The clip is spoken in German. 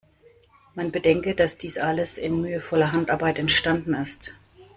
Man bedenke, dass dies alles in mühevoller Handarbeit entstanden ist.